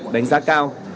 đánh giá cao